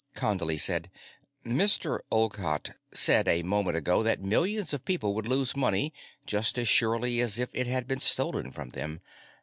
Condley said: "Mr. Olcott said a moment ago that millions of people would lose money just as surely as if it had been stolen from them.